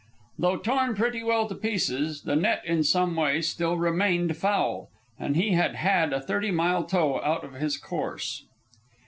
Though torn pretty well to pieces, the net in some way still remained foul, and he had had a thirty mile tow out of his course.